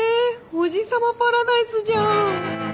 おじさまパラダイスじゃん。